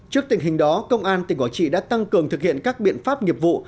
trước tình hình đó công an tỉnh quảng trị đã tăng cường thực hiện các biện pháp nghiệp vụ